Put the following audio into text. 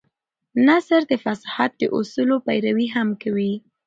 نثر د فصاحت د اصولو پيروي هم کوي.